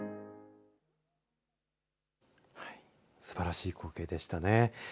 すばらしい光景でしたね。